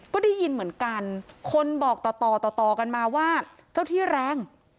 ก็ได้ยินเหมือนกันคนบอกต่อต่อต่อกันมาว่าเจ้าที่แรง